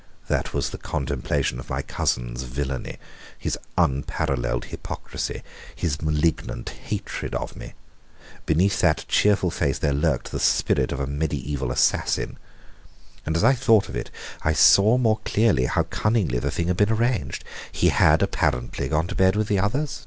That was the contemplation of my cousin's villainy, his unparalleled hypocrisy, his malignant hatred of me. Beneath that cheerful face there lurked the spirit of a mediaeval assassin. And as I thought of it I saw more clearly how cunningly the thing had been arranged. He had apparently gone to bed with the others.